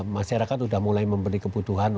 masyarakat sudah mulai mempunyai kebutuhan untuk